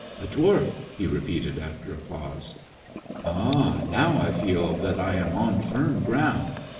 A dwarf," he repeated after a pause. " Ah, now I feel that I am on firm ground.